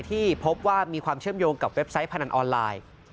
ที่พบว่ามีความเชื่อมโยงกับเว็บไซต์พนันออนไลน์